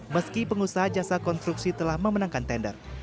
meski pengusaha jasa konstruksi telah memenangkan tender